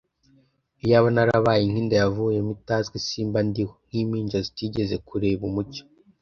iyaba narabaye nk’inda yavuyemo itazwi simba ndiho, nk’impinja zitigeze kureba umucyo